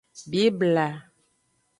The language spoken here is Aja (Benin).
Bibla.